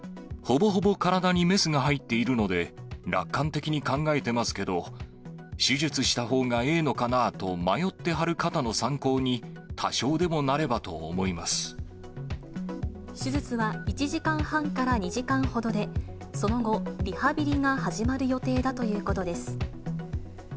ほぼほぼ体にメスが入っているので、楽観的に考えてますけど、手術したほうがええのかなぁと迷ってはる方の参考に、多少でもな手術は１時間半から２時間ほどで、その後、リハビリが始まる予定だということです。